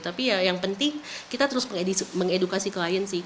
tapi ya yang penting kita terus mengedukasi klien sih